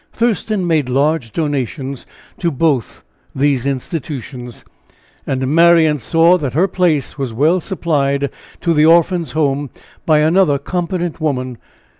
Thurston made large donations to both these institutions. And Marian saw that her place was well supplied to the "Orphans' Home" by another competent woman.